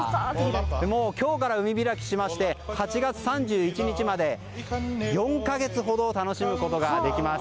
今日から海開きしまして８月３１日まで４か月ほど楽しむことができます。